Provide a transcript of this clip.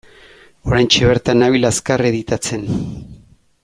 Oraintxe bertan nabil azkar editatzen.